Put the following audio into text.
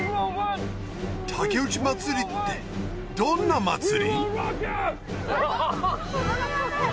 竹打ち祭りってどんな祭り？